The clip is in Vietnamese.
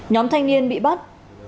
nhóm thanh niên bị bắt